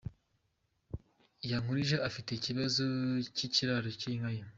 Yankurije afite ikibazo cy’ikiraro cy’inka ye.